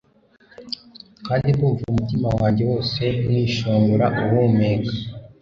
Kandi ndumva umutima wanjye wose mwishongora uhumeka